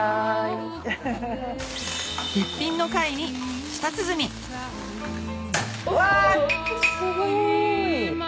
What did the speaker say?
絶品の貝に舌鼓わすごい。